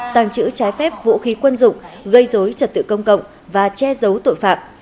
tàng trữ trái phép vũ khí quân dụng gây dối trật tự công cộng và che giấu tội phạm